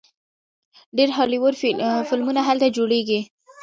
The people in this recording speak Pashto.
ډیر هالیوډ فلمونه هلته جوړیږي.